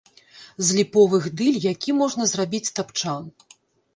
З ліповых дыль які можна зрабіць тапчан.